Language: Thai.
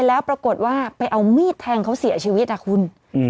แล้วปรากฏว่าไปเอามีดแทงเขาเสียชีวิตอ่ะคุณ